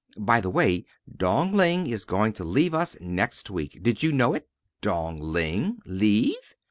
By the way, Dong Ling is going to leave us next week. Did you know it?" "Dong Ling leave!"